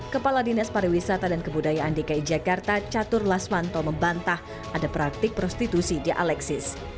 kepala dinas pariwisata dan kebudayaan dki jakarta catur laswanto membantah ada praktik prostitusi di alexis